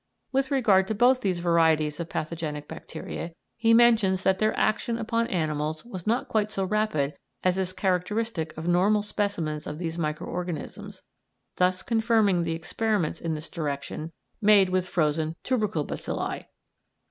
With regard to both these varieties of pathogenic bacteria, he mentions that their action upon animals was not quite so rapid as is characteristic of normal specimens of these micro organisms, thus confirming the experiments in this direction made with frozen tubercle bacilli.